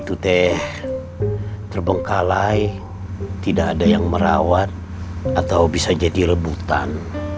itu teh terbengkalai tidak ada yang merawat atau bisa jadi rebutan